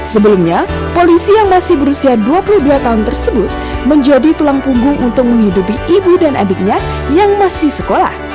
sebelumnya polisi yang masih berusia dua puluh dua tahun tersebut menjadi tulang punggung untuk menghidupi ibu dan adiknya yang masih sekolah